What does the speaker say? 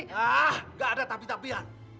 ya gak ada tapi tapian